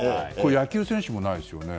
野球選手もないですよね。